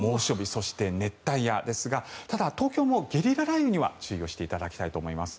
そして熱帯夜ですがただ、東京もゲリラ雷雨には注意をしていただきたいと思います。